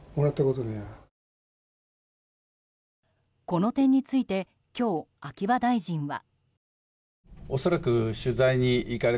この点について今日、秋葉大臣は。